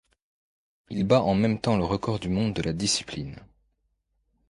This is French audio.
Il bat en même temps le record du monde de la discipline.